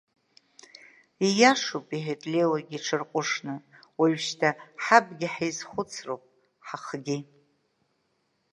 Ииашоуп, – иҳәеит Леуагьы иҽырҟәышны, уажәшьҭа ҳабгьы ҳизхәыцроуп, ҳахгьы.